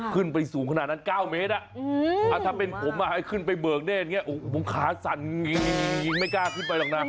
ขึ้นไปสูงขนาดนั้น๙เมตรถ้าเป็นผมให้ขึ้นไปเบิกเนธอย่างนี้ผมขาสั่นไม่กล้าขึ้นไปหรอกนะ